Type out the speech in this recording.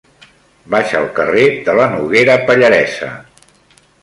Vaig al carrer de la Noguera Pallaresa.